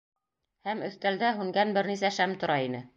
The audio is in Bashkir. Һәм өҫтәлдә һүнгән бер нисә шәм тора ине.